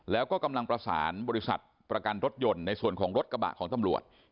แล้วก็กำลังประสานบริษัทประกันรถยนต์ในส่วนของรถกระบะของตำรวจ